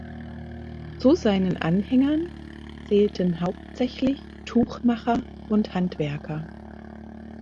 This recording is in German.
Zu seinen Anhängern zählten hauptsächlich Tuchmacher und Handwerker.